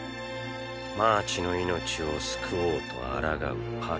マーチの命を救おうとあらがうパロナ。